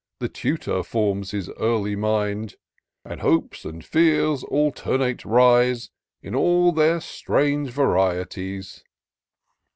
The tutor forms his early mind ; And hopes and fears alternate rise, In all their strange varieties.